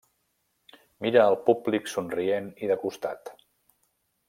Mira el públic somrient i de costat.